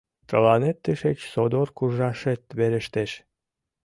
Тыланет тышеч содор куржашет верештеш.